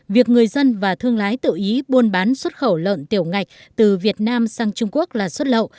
việc người dân và thương lái tự ý buôn bán xuất khẩu lợn tiểu ngạch từ việt nam sang trung quốc là xuất lậu